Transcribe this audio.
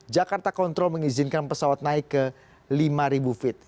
jakarta control mengizinkan pesawat naik ke lima feet